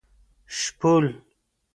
شپول